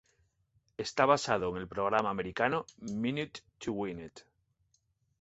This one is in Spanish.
Está basado en el programa americano ""Minute to Win It"".